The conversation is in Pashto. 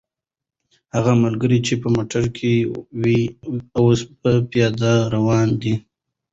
هغه ملګری چې په موټر کې و، اوس په پیاده روان دی.